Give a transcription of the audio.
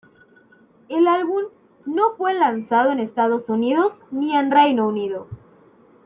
El álbum no fue lanzado en Estados Unidos ni el Reino Unido.